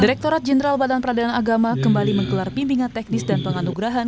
direktorat jenderal badan peradilan agama kembali mengkelar pimpinan teknis dan penganugerahan